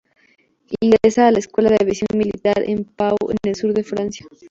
Ingresa a la escuela de aviación militar en Pau en el sur de Francia.